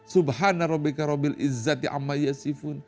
subhanallah wa rahmatullahi wabarakatuh